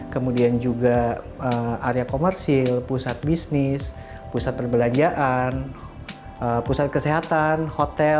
kemudian juga area komersil pusat bisnis pusat perbelanjaan pusat kesehatan hotel